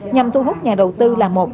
nhằm thu hút nhà đầu tư là một